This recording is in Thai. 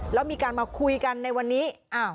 แล้วมีการมาคุยกันในวันนี้